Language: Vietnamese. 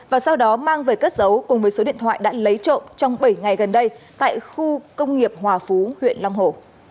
và sau đó mang về cất giấu cùng với số điện thoại đã lấy trộm trong bảy ngày gần đây tại khu công nghiệp hòa phú huyện long hồ